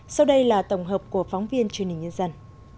sau đây là tổng hợp của phóng viên truyền hình nhân dân